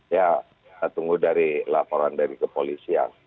ya kita tunggu dari laporan dari kepolisian